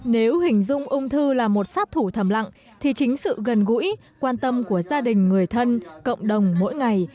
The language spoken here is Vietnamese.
nếu hình dung ung thư là một sát thủ thầm lặng thì chính sự gần gũi quan tâm của gia đình người thân cộng đồng mỗi ngày